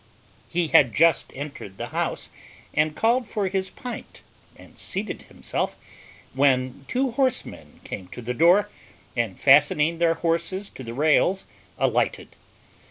_ He had just entered the house, and called for his pint, and seated himself, when two horsemen came to the door, and, fastening their horses to the rails, alighted.